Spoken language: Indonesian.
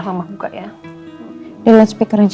mama ini mantepan